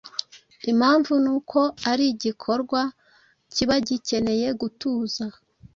Impamvu ni uko ari igikorwa kiba gikeneye gutuza,